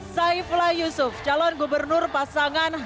saifullah yusuf calon gubernur pasangan